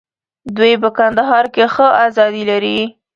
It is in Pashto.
دوی په کندهار کې ښه آزادي لري.